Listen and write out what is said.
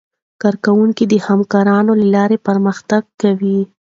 کارکوونکي د همکارۍ له لارې پرمختګ کوي